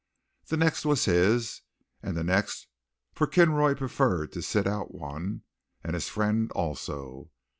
The next was his, and the next, for Kinroy preferred to sit out one, and his friend also.